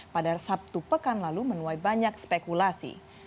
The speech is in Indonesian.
pada sabtu pekan lalu menuai banyak spekulasi